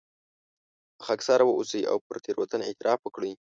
خاکساره واوسئ او پر تېروتنه اعتراف وکړئ.